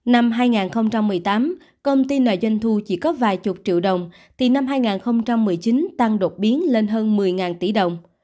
năm hai nghìn một mươi tám công ty đòi doanh thu chỉ có vài chục triệu đồng thì năm hai nghìn một mươi chín tăng đột biến lên hơn một mươi tỷ đồng